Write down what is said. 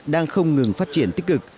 đang không ngừng phát triển tích cực